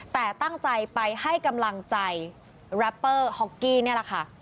แต่ตั้งใจไปให้กำลังใจแรปเปอร์ฮ็อกกี้นี่แหละค่ะ